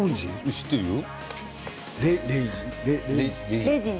知っているよ。